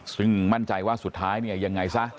ซึ่งมั่นใจว่าสุดท้ายเนี่ยยังไงซะ